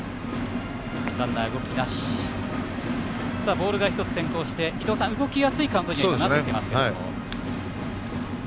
ボールが、１つ先行して伊東さん、動きやすいカウントにはなってきています。